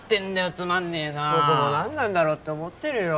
つまんねえな僕も何なんだろうって思ってるよ